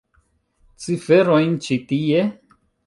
Ciferojn ĉi tie?